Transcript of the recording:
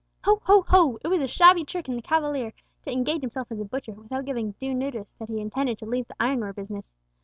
"Ho, ho, ho! it was a shabby trick in the cavalier to engage himself as a butcher, without giving due notice that he intended to leave the ironware business!